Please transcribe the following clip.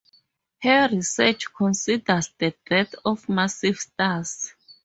Her research considers the death of massive stars.